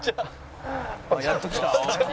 「やっと来た」